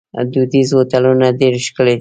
دودیز هوټلونه ډیر ښکلي دي.